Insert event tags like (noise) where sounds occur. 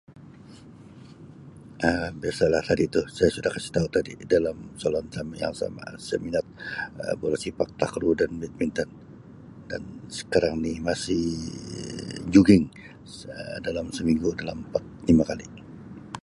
(noise) Um Biasalah tadi tu, saya sudah kasi tau tadi dalam soalan sam-yang sama, saya minat Um bola sepak, takraw dan badminton dan sekarang ni masih jogging Um dalam seminggu dalam empat lima kali.